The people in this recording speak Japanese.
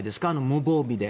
無防備で。